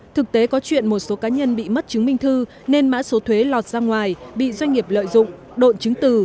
thực tế có chuyện một số cá nhân bị mất chứng minh thư nên mã số thuế lọt ra ngoài bị doanh nghiệp lợi dụng độn chứng từ